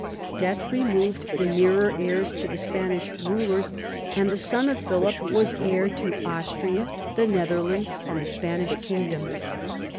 Death removed the nearer heirs to the Spanish rulers, and the son of Philip was heir to Austria, the Netherlands, and the Spanish kingdoms.